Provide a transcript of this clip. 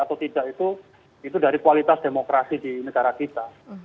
pers kita bebas atau tidak itu dari kualitas demokrasi di negara kita